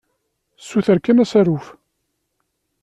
Ssuter kan asaruf.